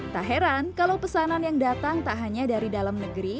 tak heran kalau pesanan yang datang tak hanya dari dalam negeri